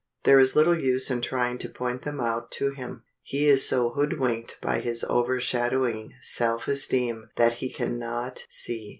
There is little use in trying to point them out to him. He is so hoodwinked by his overshadowing self esteem that he can not see.